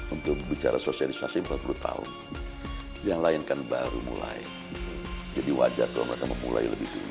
untuk bicara sosialisasi empat puluh tahun yang lain kan baru mulai jadi wajar kalau mereka memulai lebih dulu